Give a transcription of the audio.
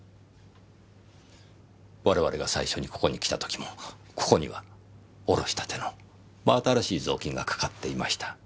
我々が最初にここに来た時もここには下ろしたての真新しい雑巾が掛かっていました。